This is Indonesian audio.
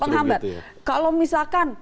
penghambat kalau misalkan